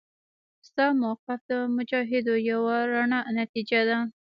ستا موقف د مجاهدو یوه رڼه نتیجه ده.